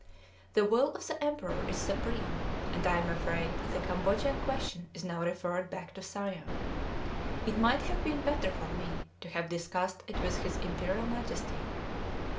The will of the Emperor is supreme, and I am afraid the Cambodian question is now referred back to Siam. It might have been better for me to have discussed it with his Imperial Majesty.